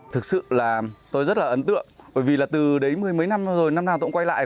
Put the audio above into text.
thực sự là tôi rất là ấn tượng bởi vì là từ đấy mười mấy năm rồi năm nào tôi cũng quay lại